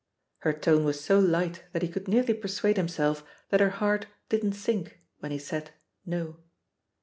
her tone was so light that he could nearly persuade him self that her heart didn't sink when he said "no."